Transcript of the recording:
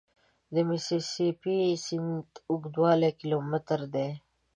د میسي سي پي سیند اوږدوالی کیلومتره دی.